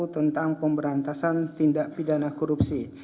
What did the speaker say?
tentang pemberantasan tindak pidana korupsi